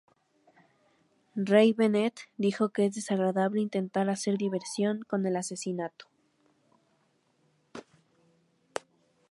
Ray Bennett dijo que es "desagradable intentar hacer diversión con el asesinato.